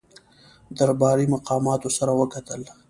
درباري مقاماتو سره وکتل.